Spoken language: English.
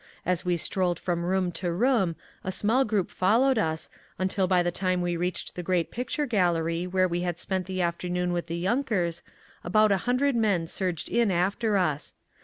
As we strolled from room to room a small group followed us, until by the time we reached the great picture gallery where we had spent the afternoon with the yunkers, about a hundred men surged in after us.